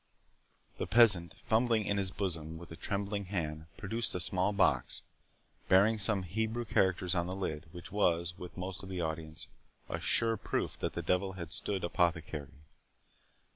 The peasant, fumbling in his bosom with a trembling hand, produced a small box, bearing some Hebrew characters on the lid, which was, with most of the audience, a sure proof that the devil had stood apothecary.